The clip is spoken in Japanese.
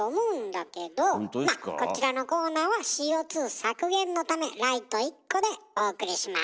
まあこちらのコーナーはＣＯ削減のためライト１個でお送りします。